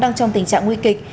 đang trong tình trạng nguy kịch